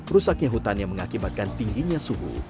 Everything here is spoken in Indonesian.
rusaknya hutan yang mengakibatkan tingginya suhu